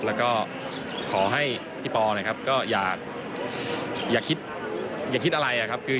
แล้วก็ขอให้พี่ปอนะครับก็อย่าคิดอย่าคิดอะไรครับ